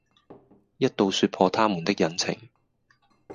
一到説破他們的隱情，